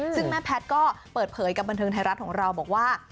ซึ่งแม่แพทย์ก็เปิดเผยกับบันเทิงไทยรัฐของเราบอกว่า